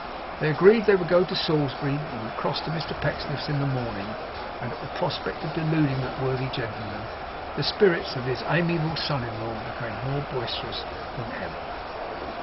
They agreed that they would go to Salisbury, and would cross to Mr Pecksniff's in the morning; and at the prospect of deluding that worthy gentleman, the spirits of his amiable son in law became more boisterous than ever.